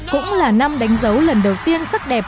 cũng là năm đánh dấu lần đầu tiên sắc đẹp